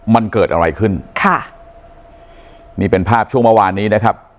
มันเกิดอะไรขึ้นค่ะนี่เป็นภาพช่วงเมื่อวานนี้นะครับ